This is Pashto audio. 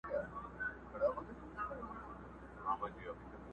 بې دلیله نازولی د بادار دی،